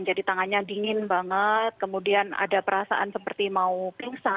jadi tangannya dingin banget kemudian ada perasaan seperti mau pingsan